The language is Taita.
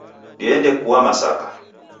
Diende kua masaka